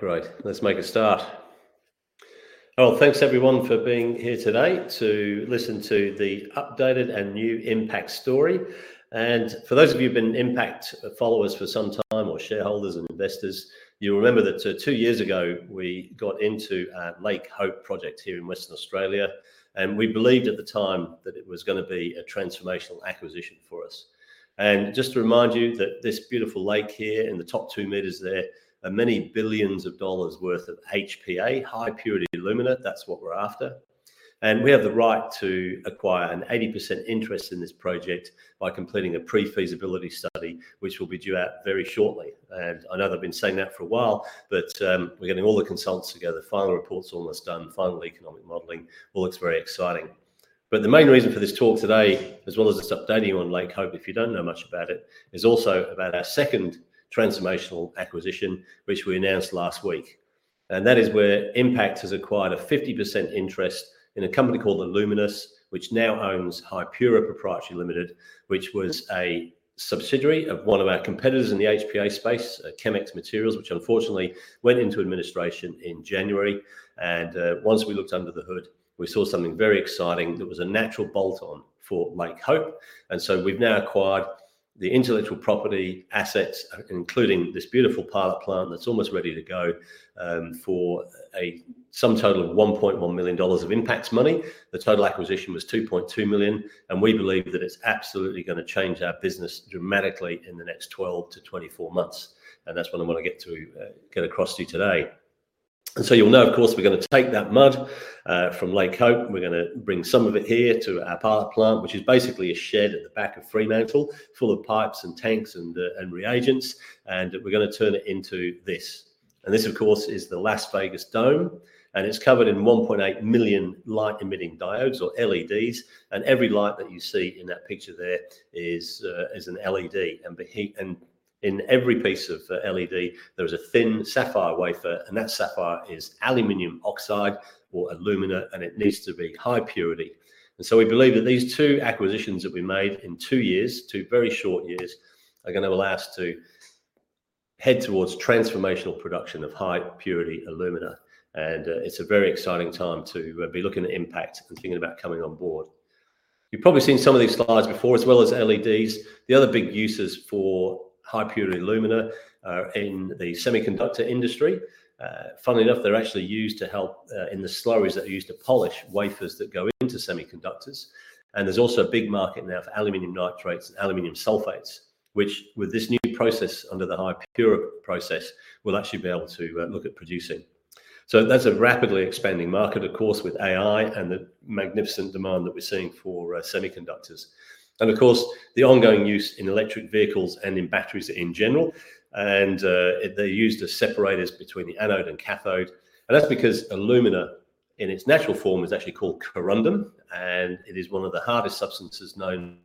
All right, great. Let's make a start. Thanks everyone for being here today to listen to the updated and new Impact story. For those of you who've been Impact followers for some time or shareholders and investors, you'll remember that two years ago we got into a Lake Hope project here in Western Australia, and we believed at the time that it was going to be a transformational acquisition for us. Just to remind you, this beautiful lake here in the top two meters, there are many billions of dollars' worth of HPA, high purity alumina. That's what we're after. We have the right to acquire an 80% interest in this project by completing a pre-feasibility study, which will be due out very shortly. I know they've been saying that for a while, but we're getting all the consults together, final report's almost done, final economic modeling. It looks very exciting. The main reason for this talk today, as well as just updating you on Lake Hope, if you don't know much about it, is also about our second transformational acquisition, which we announced last week. That is where Impact has acquired a 50% interest in a company called Alluminous, which now owns Hipura Proprietary Limited, which was a subsidiary of one of our competitors in the HPA space, ChemX Materials, which unfortunately went into administration in January. Once we looked under the hood, we saw something very exciting. It was a natural bolt-on for Lake Hope. We have now acquired the intellectual property assets, including this beautiful pilot plant that is almost ready to go for a sum total of 1.1 million dollars of Impact money. The total acquisition was 2.2 million, and we believe that it is absolutely going to change our business dramatically in the next 12-24 -onths. That is what I want to get across to you today. You will know, of course, we are going to take that mud from Lake Hope. We are going to bring some of it here to our pilot plant, which is basically a shed at the back of Fremantle full of pipes and tanks and reagents. We are going to turn it into this. This, of course, is the Las Vegas Dome, and it is covered in 1.8 million light-emitting diodes or LEDs. Every light that you see in that picture there is an LED. In every piece of LED, there is a thin sapphire wafer, and that sapphire is aluminum oxide or alumina, and it needs to be high purity. We believe that these two acquisitions that we made in two years, two very short years, are going to allow us to head towards transformational production of high purity alumina. It is a very exciting time to be looking at Impact and thinking about coming on board. You have probably seen some of these slides before. As well as LEDs, the other big uses for high purity alumina are in the semiconductor industry. Funnily enough, they are actually used to help in the slurries that are used to polish wafers that go into semiconductors. There is also a big market now for aluminum nitrates and aluminum sulfates, which with this new process under the high purity process, we'll actually be able to look at producing. That is a rapidly expanding market, of course, with AI and the magnificent demand that we're seeing for semiconductors. Of course, the ongoing use in electric vehicles and in batteries in general, and they're used as separators between the anode and cathode. That is because alumina in its natural form is actually called corundum, and it is one of the hardest substances known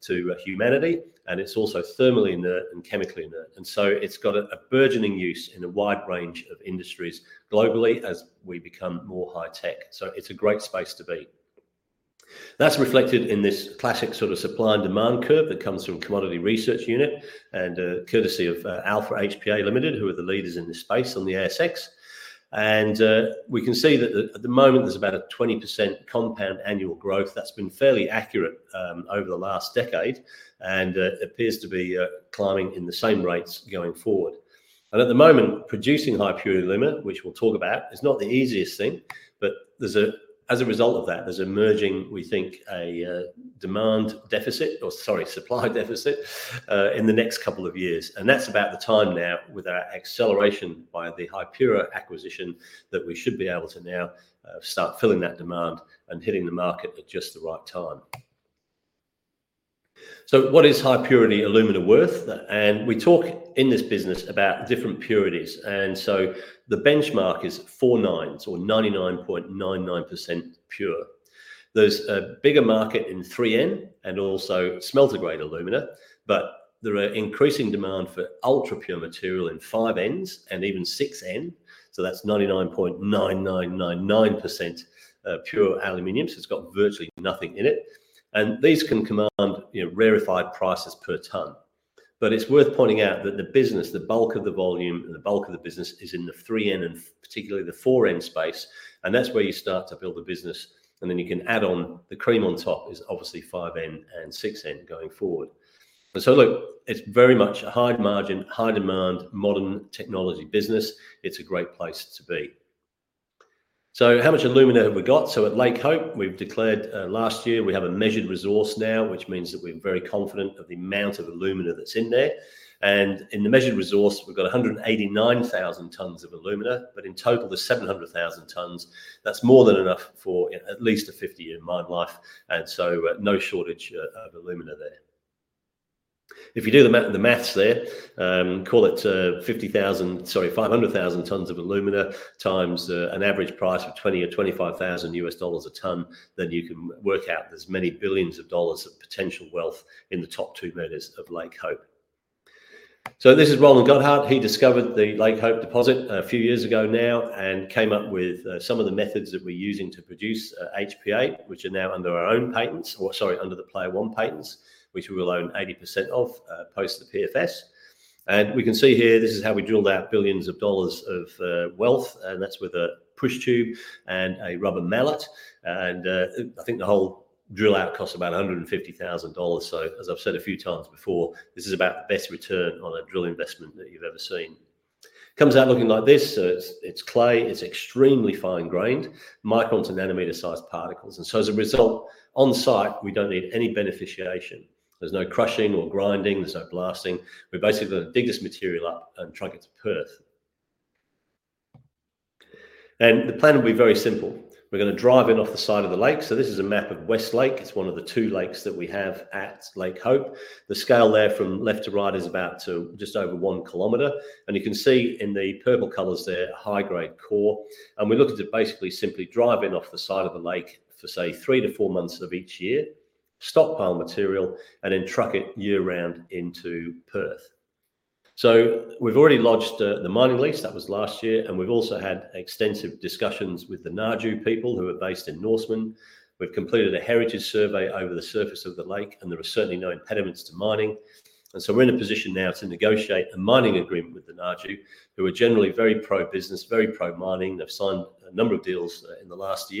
to humanity, and it's also thermally inert and chemically inert. It has a burgeoning use in a wide range of industries globally as we become more high tech. It is a great space to be. That's reflected in this classic sort of supply and demand curve that comes from Commodity Research Unit and courtesy of Alpha HPA Limited, who are the leaders in this space on the ASX. We can see that at the moment, there's about a 20% compound annual growth. That's been fairly accurate over the last decade, and it appears to be climbing in the same rates going forward. At the moment, producing high purity alumina, which we'll talk about, is not the easiest thing, but as a result of that, there's emerging, we think, a demand deficit or, sorry, supply deficit in the next couple of years. That's about the time now with our acceleration by the HiPurA acquisition that we should be able to now start filling that demand and hitting the market at just the right time. What is high purity alumina worth? We talk in this business about different purities. The benchmark is four nines or 99.99% pure. There is a bigger market in 3N and also smelter-grade alumina, but there are increasing demands for ultra-pure material in 5N and even 6N. That is 99.9999% pure aluminum, so it has virtually nothing in it. These can command rarefied prices per ton. It is worth pointing out that the bulk of the volume and the bulk of the business is in the 3N and particularly the 4N space. That is where you start to build the business, and then you can add on the cream on top, which is obviously 5N and 6N going forward. It is very much a high margin, high demand, modern technology business. It is a great place to be. How much alumina have we got? At Lake Hope, we declared last year we have a measured resource now, which means that we're very confident of the amount of alumina that's in there. In the measured resource, we've got 189,000 tons of alumina, but in total, there's 700,000 tons. That's more than enough for at least a 50-year mine life. No shortage of alumina there. If you do the maths there, call it 500,000 tons of alumina times an average price of $20,000 or $25,000 a ton, then you can work out there's many billions of dollars of potential wealth in the top two meters of Lake Hope. This is Roland Goedhart. He discovered the Lake Hope deposit a few years ago now and came up with some of the methods that we're using to produce HPA, which are now under our own patents or, sorry, under the Player One patents, which we will own 80% of post the PFS. We can see here, this is how we drilled out billions of dollars of wealth, and that's with a push tube and a rubber mallet. I think the whole drill out costs about 150,000 dollars. As I've said a few times before, this is about the best return on a drill investment that you've ever seen. Comes out looking like this. It is clay. It is extremely fine grained, microns and nanometer sized particles. As a result, on site, we do not need any beneficiation. There is no crushing or grinding. There is no blasting. We basically dig this material up and try and get to Perth. The plan will be very simple. We're going to drive in off the side of the lake. This is a map of West Lake. It's one of the two lakes that we have at Lake Hope. The scale there from left to right is about just over 1 kilometer. You can see in the purple colors there, high grade core. We look at it basically, simply drive in off the side of the lake for, say, three to four months of each year, stockpile material, and then truck it year round into Perth. We've already lodged the mining lease. That was last year. We've also had extensive discussions with the Ngadju people who are based in Norseman. We've completed a heritage survey over the surface of the lake, and there are certainly no impediments to mining. We are in a position now to negotiate a mining agreement with the Ngadju, who are generally very pro-business, very pro-mining. They've signed a number of deals in the last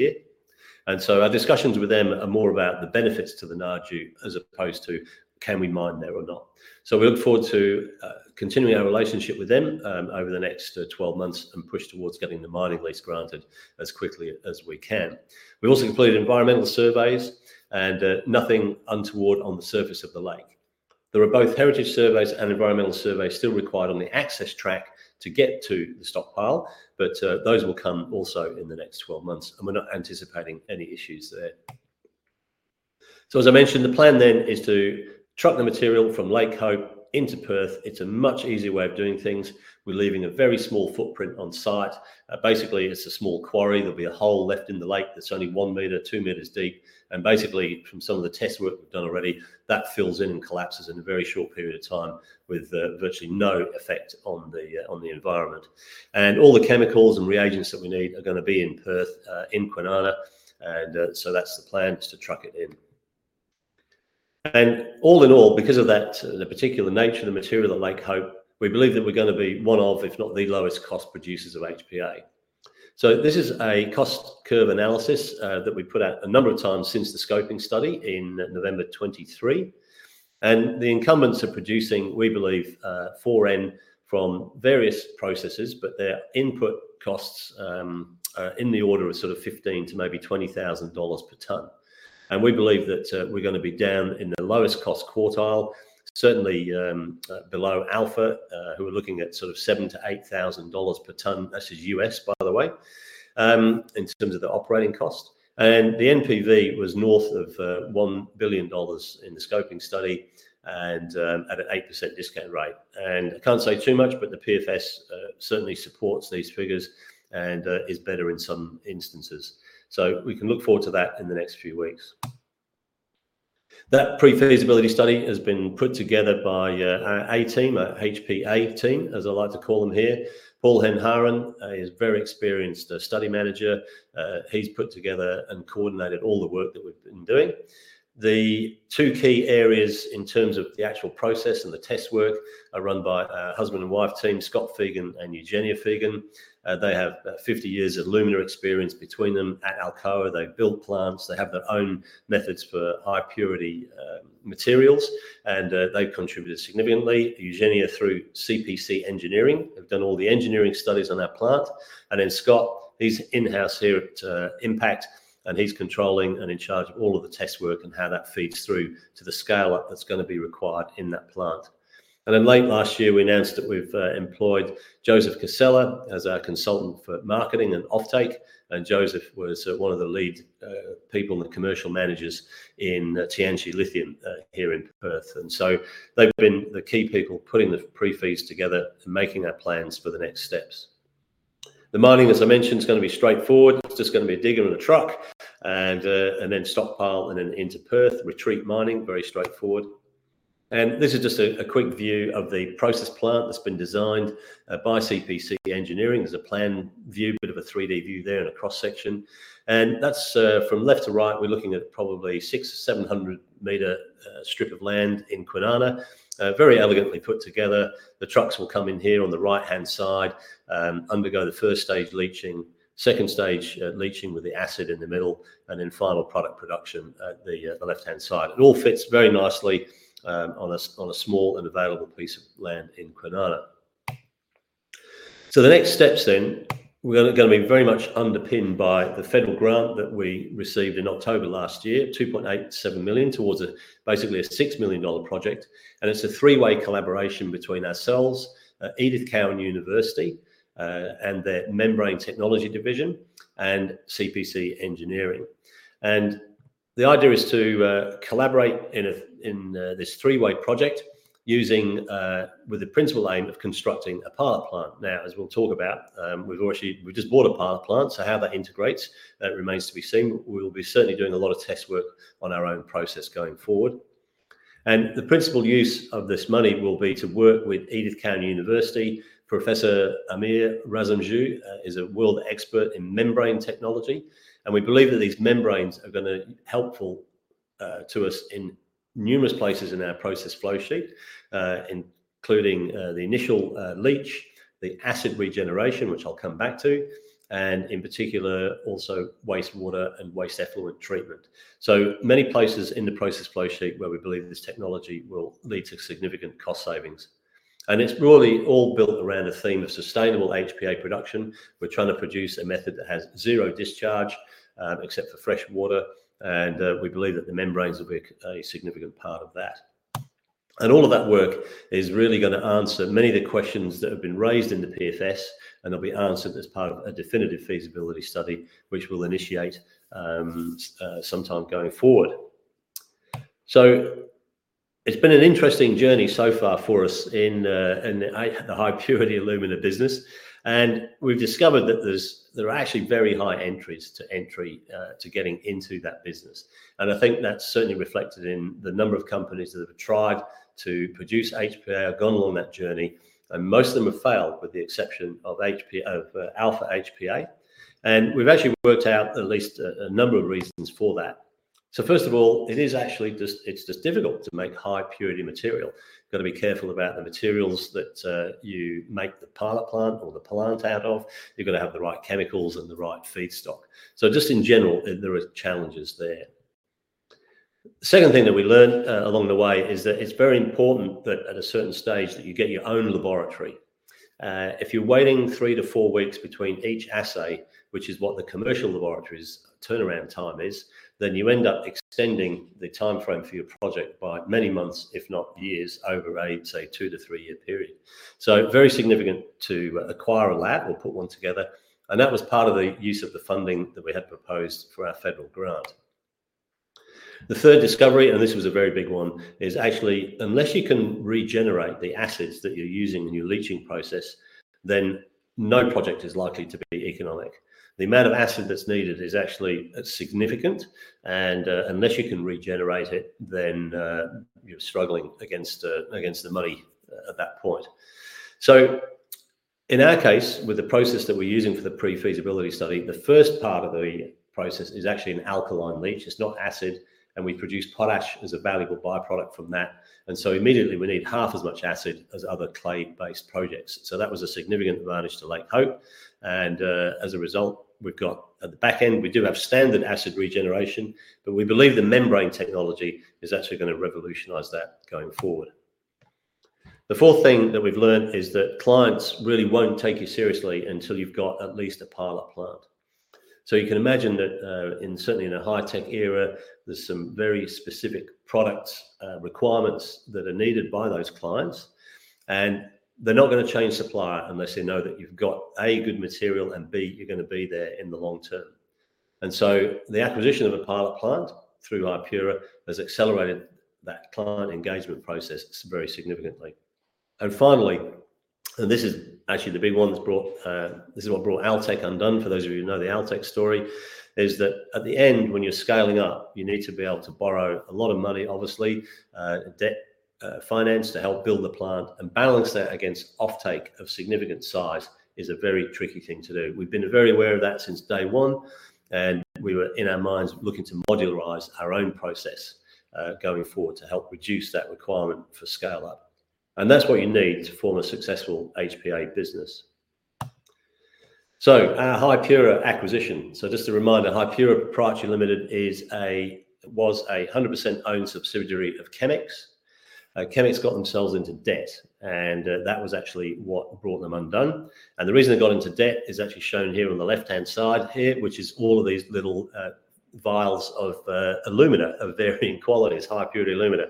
year. Our discussions with them are more about the benefits to the Ngadju as opposed to can we mine there or not. We look forward to continuing our relationship with them over the next 12 months and push towards getting the mining lease granted as quickly as we can. We also completed environmental surveys and nothing untoward on the surface of the lake. There are both heritage surveys and environmental surveys still required on the access track to get to the stockpile. Those will come also in the next 12 months, and we're not anticipating any issues there. As I mentioned, the plan then is to truck the material from Lake Hope into Perth. It's a much easier way of doing things. We're leaving a very small footprint on site. Basically, it's a small quarry. There will be a hole left in the lake that's only 1 meter, 2 meters deep. Basically, from some of the test work we've done already, that fills in and collapses in a very short period of time with virtually no effect on the environment. All the chemicals and reagents that we need are going to be in Perth, in Kwinana. That's the plan, to truck it in. All in all, because of that, the particular nature of the material at Lake Hope, we believe that we're going to be one of, if not the lowest cost producers of HPA. This is a cost curve analysis that we put out a number of times since the scoping study in November 2023. The incumbents are producing, we believe, 4N from various processes, but their input costs are in the order of $15,000 to maybe $20,000 per ton. We believe that we're going to be down in the lowest cost quartile, certainly below Alpha, who are looking at $7,000-$8,000 per ton. That's just US, by the way, in terms of the operating cost. The NPV was north of $1 billion in the scoping study and at an 8% discount rate. I can't say too much, but the PFS certainly supports these figures and is better in some instances. We can look forward to that in the next few weeks. That pre-feasibility study has been put together by our A team, our HPA team, as I like to call them here. Paul Hennaran is a very experienced study manager. He's put together and coordinated all the work that we've been doing. The two key areas in terms of the actual process and the test work are run by our husband and wife team, Scott Fegan and Eugenia Fegan. They have 50 years of alumina experience between them at Alcoa. They've built plants. They have their own methods for high purity materials, and they've contributed significantly. Eugenia, through CPC Engineering, has done all the engineering studies on our plant. Scott, he's in-house here at Impact, and he's controlling and in charge of all of the test work and how that feeds through to the scale-up that's going to be required in that plant. Late last year, we announced that we've employed Joseph Casella as our consultant for marketing and offtake. Joseph was one of the lead people and the commercial managers in Tianchi Lithium here in Perth. They have been the key people putting the pre-fees together and making our plans for the next steps. The mining, as I mentioned, is going to be straightforward. It's just going to be a digger and a truck and then stockpile and then into Perth, retreat mining, very straightforward. This is just a quick view of the process plant that's been designed by CPC Engineering. There's a plan view, a bit of a 3D view there in a cross section. That's from left to right, we're looking at probably 600-700 meter strip of land in Kwinana, very elegantly put together. The trucks will come in here on the right-hand side, undergo the first stage leaching, second stage leaching with the acid in the middle, and then final product production at the left-hand side. It all fits very nicely on a small and available piece of land in Kwinana. The next steps then, we're going to be very much underpinned by the federal grant that we received in October last year, 2.87 million towards basically a 6 million dollar project. It's a three-way collaboration between ourselves, Edith Cowan University and their membrane technology division, and CPC Engineering. The idea is to collaborate in this three-way project with the principal aim of constructing a pilot plant. As we'll talk about, we've just bought a pilot plant, so how that integrates, that remains to be seen. We'll be certainly doing a lot of test work on our own process going forward. The principal use of this money will be to work with Edith Cowan University. Professor Amir Razmjou is a world expert in membrane technology. We believe that these membranes are going to be helpful to us in numerous places in our process flowsheet, including the initial leach, the acid regeneration, which I'll come back to, and in particular, also wastewater and waste effluent treatment. There are many places in the process flowsheet where we believe this technology will lead to significant cost savings. It is really all built around a theme of sustainable HPA production. We're trying to produce a method that has zero discharge except for fresh water. We believe that the membranes will be a significant part of that. All of that work is really going to answer many of the questions that have been raised in the PFS, and they'll be answered as part of a definitive feasibility study, which we'll initiate sometime going forward. It has been an interesting journey so far for us in the high purity alumina business. We've discovered that there are actually very high barriers to entry to getting into that business. I think that's certainly reflected in the number of companies that have tried to produce HPA, have gone along that journey. Most of them have failed with the exception of Alpha HPA. We've actually worked out at least a number of reasons for that. First of all, it is actually just, it's just difficult to make high purity material. You've got to be careful about the materials that you make the pilot plant or the plant out of. You've got to have the right chemicals and the right feedstock. Just in general, there are challenges there. The second thing that we learned along the way is that it's very important that at a certain stage that you get your own laboratory. If you're waiting three to four weeks between each assay, which is what the commercial laboratory's turnaround time is, then you end up extending the timeframe for your project by many months, if not years, over a, say, two to three-year period. Very significant to acquire a lab or put one together. That was part of the use of the funding that we had proposed for our federal grant. The third discovery, and this was a very big one, is actually unless you can regenerate the acids that you're using in your leaching process, then no project is likely to be economic. The amount of acid that's needed is actually significant. Unless you can regenerate it, then you're struggling against the money at that point. In our case, with the process that we're using for the pre-feasibility study, the first part of the process is actually an alkaline leach. It's not acid. We produce potash as a valuable byproduct from that. Immediately we need half as much acid as other clay-based projects. That was a significant advantage to Lake Hope. As a result, we've got at the back end, we do have standard acid regeneration, but we believe the membrane technology is actually going to revolutionize that going forward. The fourth thing that we've learned is that clients really won't take you seriously until you've got at least a pilot plant. You can imagine that certainly in a high-tech era, there are some very specific product requirements that are needed by those clients. They're not going to change supplier unless they know that you've got A, good material, and B, you're going to be there in the long term. The acquisition of a pilot plant through HiPurA has accelerated that client engagement process very significantly. Finally, and this is actually the big one that's brought, this is what brought Altech undone for those of you who know the Altech story, is that at the end, when you're scaling up, you need to be able to borrow a lot of money, obviously, debt finance to help build the plant and balance that against offtake of significant size is a very tricky thing to do. We've been very aware of that since day one. We were in our minds looking to modularize our own process going forward to help reduce that requirement for scale-up. That is what you need to form a successful HPA business. Our HiPurA acquisition, just a reminder, HiPurA Proprietary Limited was a 100% owned subsidiary of ChemX. ChemX got themselves into debt, and that was actually what brought them undone. The reason they got into debt is actually shown here on the left-hand side here, which is all of these little vials of alumina of varying qualities, high purity alumina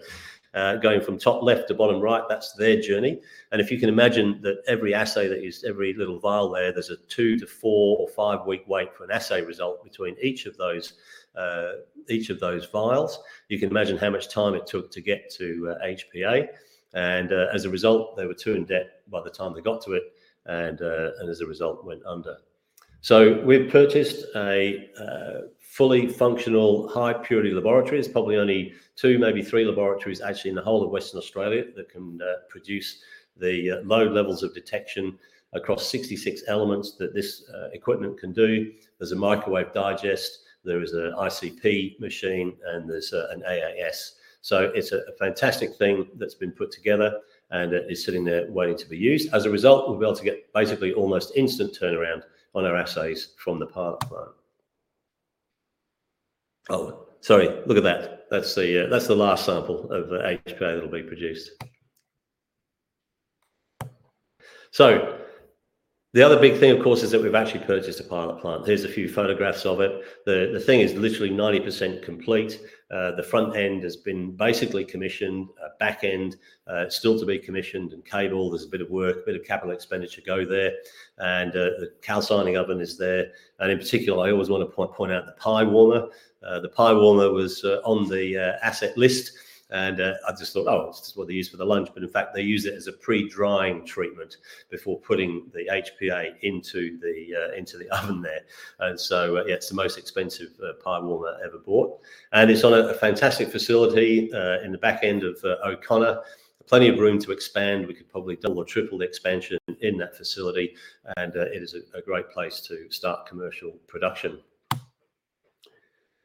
going from top left to bottom right. That's their journey. If you can imagine that every assay, that is every little vial there, there's a two to four or five-week wait for an assay result between each of those vials. You can imagine how much time it took to get to HPA. As a result, they were too in debt by the time they got to it, and as a result, went under. We've purchased a fully functional high purity laboratory. There's probably only two, maybe three laboratories actually in the whole of Western Australia that can produce the low levels of detection across 66 elements that this equipment can do. There's a microwave digest. There is an ICP machine, and there's an AAS. It is a fantastic thing that's been put together and is sitting there waiting to be used. As a result, we'll be able to get basically almost instant turnaround on our assays from the pilot plant. Oh, sorry, look at that. That's the last sample of HPA that'll be produced. The other big thing, of course, is that we've actually purchased a pilot plant. Here are a few photographs of it. The thing is literally 90% complete. The front end has been basically commissioned. Back end still to be commissioned and cabled. There's a bit of work, a bit of capital expenditure to go there. The calcining oven is there. In particular, I always want to point out the pie warmer. The pie warmer was on the asset list. I just thought, oh, it's just what they use for the lunch. In fact, they use it as a pre-drying treatment before putting the HPA into the oven there. Yeah, it's the most expensive pie warmer ever bought. It's on a fantastic facility in the back end of O'Connor. Plenty of room to expand. We could probably double or triple the expansion in that facility. It is a great place to start commercial production.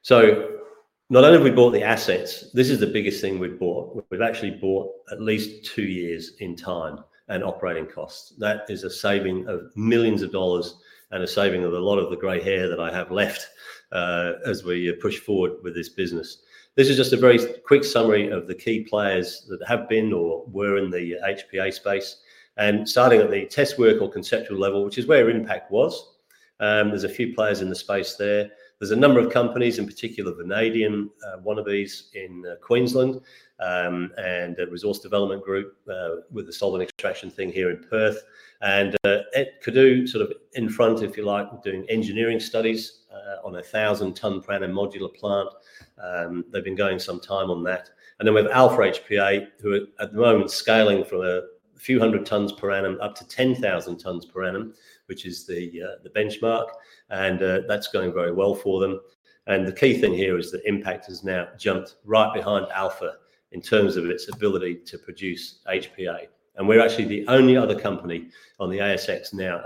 Not only have we bought the assets, this is the biggest thing we've bought. We've actually bought at least two years in time and operating costs. That is a saving of millions of dollars and a saving of a lot of the gray hair that I have left as we push forward with this business. This is just a very quick summary of the key players that have been or were in the HPA space. Starting at the test work or conceptual level, which is where Impact was, there's a few players in the space there. There's a number of companies, in particular, Vanadium, one of these in Queensland, and a Resource Development Group with the solvent extraction thing here in Perth. At Cadoux, sort of in front, if you like, doing engineering studies on a 1,000 ton per annum modular plant. They've been going some time on that. We have Alpha HPA, who are at the moment scaling from a few hundred tons per annum up to 10,000 tons per annum, which is the benchmark. That's going very well for them. The key thing here is that Impact has now jumped right behind Alpha in terms of its ability to produce HPA. We are actually the only other company on the ASX now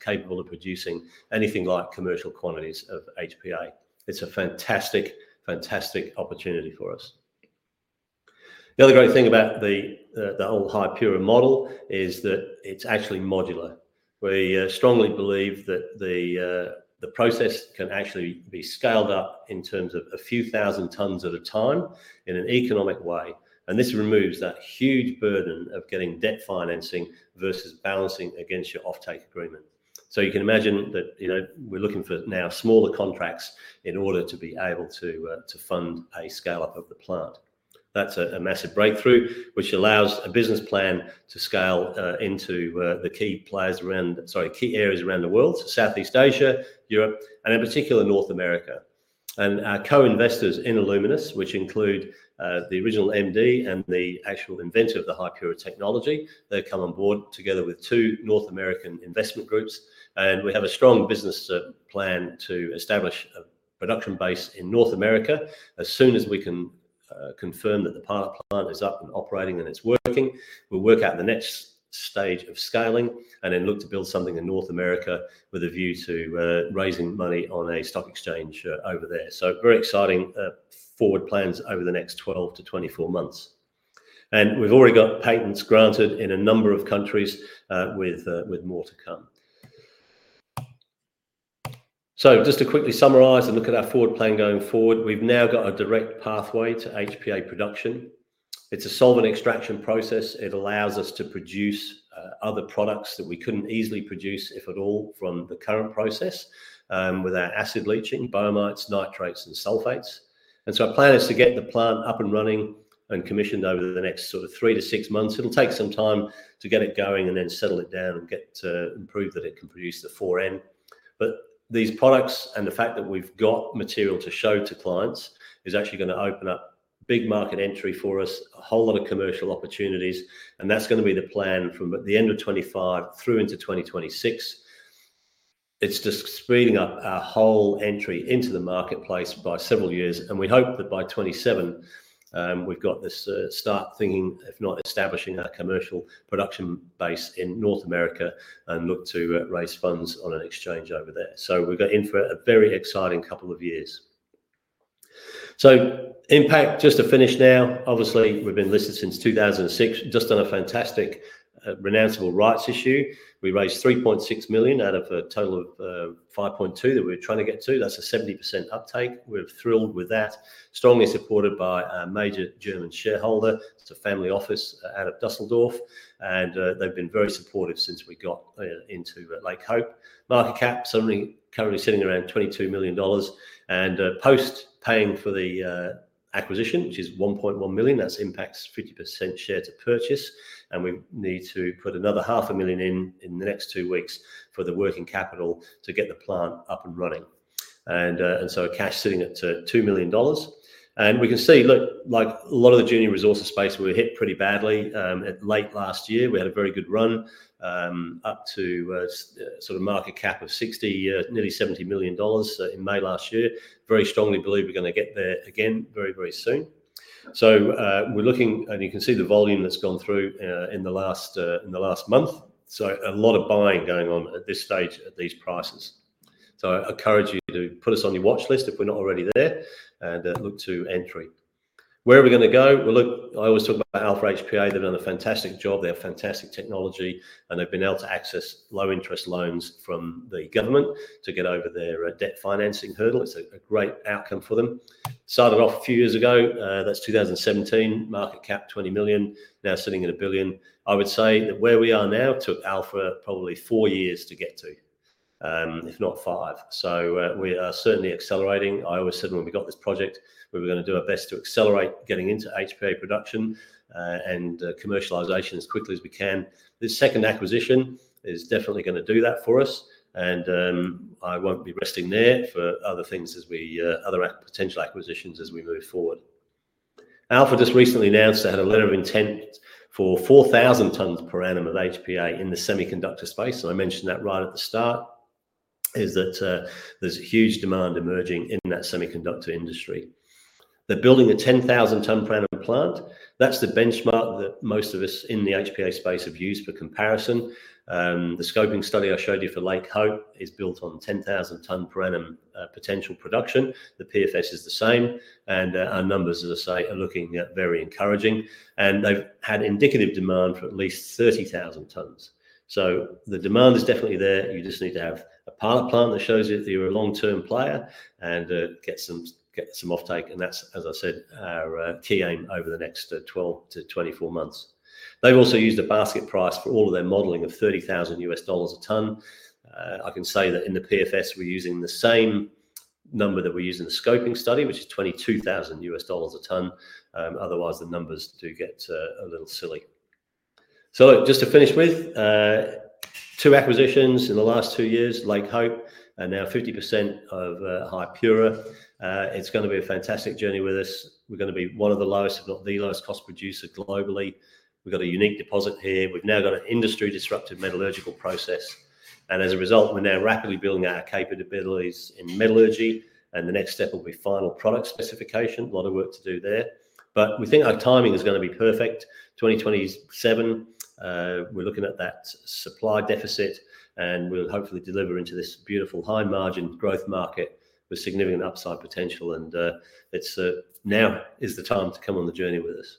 capable of producing anything like commercial quantities of HPA. It is a fantastic, fantastic opportunity for us. The other great thing about the whole HiPurA model is that it is actually modular. We strongly believe that the process can actually be scaled up in terms of a few thousand tons at a time in an economic way. This removes that huge burden of getting debt financing versus balancing against your offtake agreement. You can imagine that we are looking for now smaller contracts in order to be able to fund a scale-up of the plant. That's a massive breakthrough, which allows a business plan to scale into the key areas around the world, Southeast Asia, Europe, and in particular, North America. Our co-investors in Alluminous, which include the original Managing Director and the actual inventor of the HiPurA technology, come on board together with two North American investment groups. We have a strong business plan to establish a production base in North America. As soon as we can confirm that the pilot plant is up and operating and it's working, we'll work out the next stage of scaling and then look to build something in North America with a view to raising money on a stock exchange over there. Very exciting forward plans over the next 12-24 months. We've already got patents granted in a number of countries with more to come. To quickly summarize and look at our forward plan going forward, we've now got a direct pathway to HPA production. It's a solvent extraction process. It allows us to produce other products that we couldn't easily produce, if at all, from the current process with our acid leaching, biomides, nitrates, and sulfates. Our plan is to get the plant up and running and commissioned over the next three to six months. It'll take some time to get it going and then settle it down and get to improve that it can produce the 4N. These products and the fact that we've got material to show to clients is actually going to open up big market entry for us, a whole lot of commercial opportunities. That's going to be the plan from the end of 2025 through into 2026. It's just speeding up our whole entry into the marketplace by several years. We hope that by 2027, we've got this start thinking, if not establishing our commercial production base in North America and look to raise funds on an exchange over there. We've got in for a very exciting couple of years. Impact, just to finish now, obviously, we've been listed since 2006, just on a fantastic renowned rights issue. We raised 3.6 million out of a total of 5.2 million that we're trying to get to. That's a 70% uptake. We're thrilled with that, strongly supported by a major German shareholder. It's a family office out of Dusseldorf. They've been very supportive since we got into Lake Hope. Market cap currently sitting around 22 million dollars. Post-paying for the acquisition, which is 1.1 million, that's Impact's 50% share to purchase. We need to put another $500,000 in in the next two weeks for the working capital to get the plant up and running. Cash sitting at 2 million dollars. We can see, like a lot of the junior resources space, we were hit pretty badly. At late last year, we had a very good run up to sort of market cap of 60 million, nearly 70 million dollars in May last year. Very strongly believe we're going to get there again very, very soon. We're looking, and you can see the volume that's gone through in the last month. A lot of buying going on at this stage at these prices. I encourage you to put us on your watch list if we're not already there and look to entry. Where are we going to go? I always talk about Alpha HPA. They've done a fantastic job. They have fantastic technology. They've been able to access low-interest loans from the government to get over their debt financing hurdle. It's a great outcome for them. Started off a few years ago. That's 2017. Market cap 20 million. Now sitting at 1 billion. I would say that where we are now took Alpha probably four years to get to, if not five. We are certainly accelerating. I always said when we got this project, we were going to do our best to accelerate getting into HPA production and commercialization as quickly as we can. This second acquisition is definitely going to do that for us. I won't be resting there for other things as we other potential acquisitions as we move forward. Alpha just recently announced they had a letter of intent for 4,000 tons per annum of HPA in the semiconductor space. I mentioned that right at the start is that there's a huge demand emerging in that semiconductor industry. They're building a 10,000-ton per annum plant. That's the benchmark that most of us in the HPA space have used for comparison. The scoping study I showed you for Lake Hope is built on 10,000-ton per annum potential production. The PFS is the same. Our numbers, as I say, are looking very encouraging. They've had indicative demand for at least 30,000 tons. The demand is definitely there. You just need to have a pilot plant that shows you that you're a long-term player and get some offtake. That's, as I said, our key aim over the next 12-24 months. They've also used a basket price for all of their modeling of $30,000 a ton. I can say that in the PFS, we're using the same number that we use in the scoping study, which is $22,000 a ton. Otherwise, the numbers do get a little silly. Just to finish with, two acquisitions in the last two years, Lake Hope, and now 50% of HiPurA. It's going to be a fantastic journey with us. We're going to be one of the lowest, if not the lowest cost producer globally. We've got a unique deposit here. We've now got an industry-disruptive metallurgical process. As a result, we're now rapidly building our capabilities in metallurgy. The next step will be final product specification. A lot of work to do there. We think our timing is going to be perfect. 2027, we're looking at that supply deficit. We will hopefully deliver into this beautiful high-margin growth market with significant upside potential. Now is the time to come on the journey with us.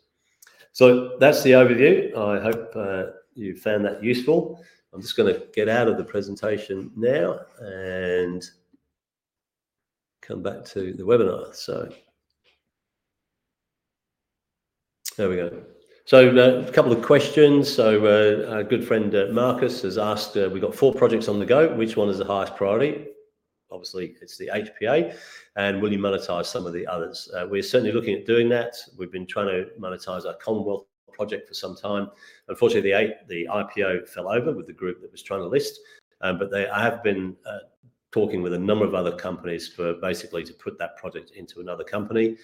That is the overview. I hope you found that useful. I'm just going to get out of the presentation now and come back to the webinar. There we go. A couple of questions. A good friend, Marcus, has asked, we've got four projects on the go. Which one is the highest priority? Obviously, it's the HPA. Will you monetize some of the others? We're certainly looking at doing that. We've been trying to monetize our Commonwealth project for some time. Unfortunately, the IPO fell over with the group that was trying to list. They have been talking with a number of other companies basically to put that project into another company.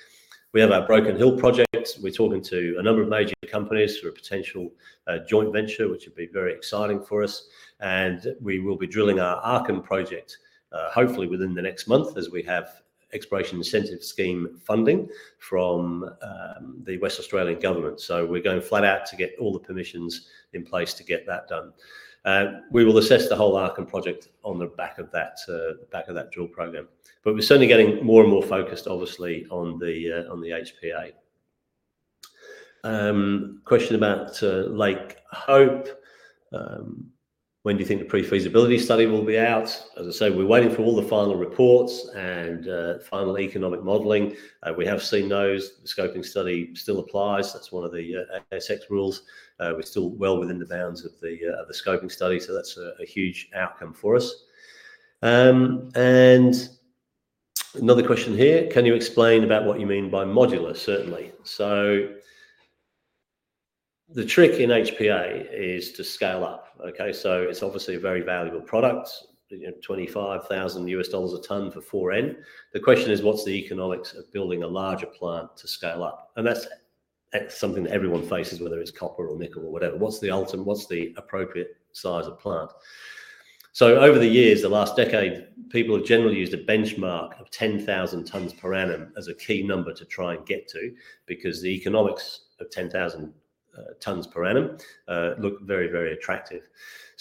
We have our Broken Hill project. We're talking to a number of major companies for a potential joint venture, which would be very exciting for us. We will be drilling our Arkhm project, hopefully within the next month, as we have exploration incentive scheme funding from the West Australian government. We're going flat out to get all the permissions in place to get that done. We will assess the whole Arkhm project on the back of that drill program. We're certainly getting more and more focused, obviously, on the HPA. Question about Lake Hope. When do you think the pre-feasibility study will be out? As I say, we're waiting for all the final reports and final economic modeling. We have seen those. The scoping study still applies. That's one of the ASX rules. We're still well within the bounds of the scoping study. That's a huge outcome for us. Another question here. Can you explain about what you mean by modular? Certainly. The trick in HPA is to scale up. Okay? It's obviously a very valuable product, $25,000 a ton for 4N. The question is, what's the economics of building a larger plant to scale up? That's something that everyone faces, whether it's copper or nickel or whatever. What's the appropriate size of plant? Over the years, the last decade, people have generally used a benchmark of 10,000 tons per annum as a key number to try and get to because the economics of 10,000 tons per annum look very, very attractive.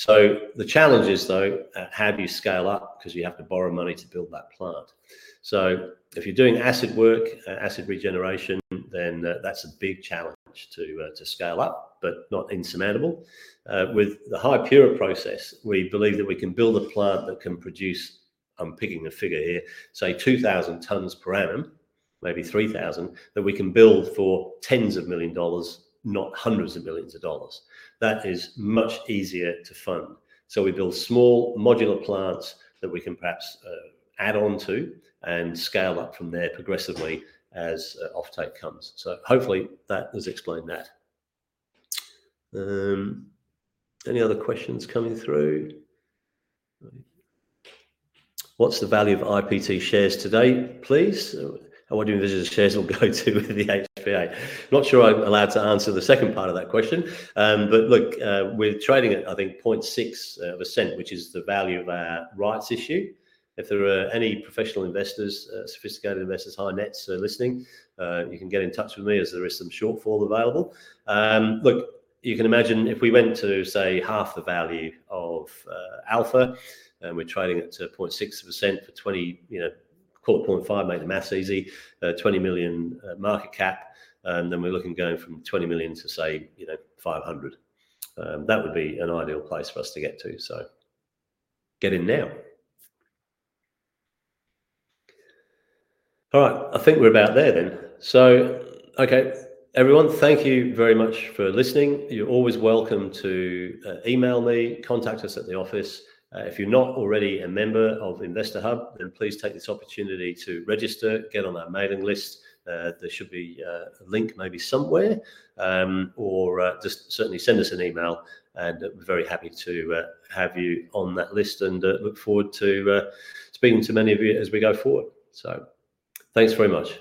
The challenge is, though, how do you scale up because you have to borrow money to build that plant? If you're doing acid work, acid regeneration, then that's a big challenge to scale up, but not insurmountable. With the HiPurA process, we believe that we can build a plant that can produce, I'm picking a figure here, say 2,000 tons per annum, maybe 3,000, that we can build for tens of million dollars, not hundreds of millions of dollars. That is much easier to fund. We build small modular plants that we can perhaps add on to and scale up from there progressively as offtake comes. Hopefully, that has explained that. Any other questions coming through? What's the value of IPT shares today, please? How would you envision the shares will go to with the HPA? Not sure I'm allowed to answer the second part of that question. Look, we're trading at, I think, 0.6%, which is the value of our rights issue. If there are any professional investors, sophisticated investors, high nets listening, you can get in touch with me as there is some shortfall available. Look, you can imagine if we went to, say, half the value of Alpha, and we're trading at 0.6% for 20, call it 0.5, made a maths easy, 20 million market cap, then we're looking going from 20 million to, say, 500. That would be an ideal place for us to get to. So get in now. All right. I think we're about there then. Okay, everyone, thank you very much for listening. You're always welcome to email me, contact us at the office. If you're not already a member of Investor Hub, then please take this opportunity to register, get on our mailing list. There should be a link maybe somewhere, or just certainly send us an email. We are very happy to have you on that list and look forward to speaking to many of you as we go forward. Thanks very much.